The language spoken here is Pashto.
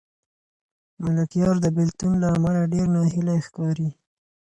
ملکیار د بېلتون له امله ډېر ناهیلی ښکاري.